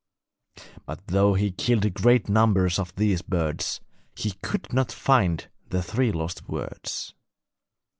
But though he killed great numbers of these birds, he could not find the three lost words.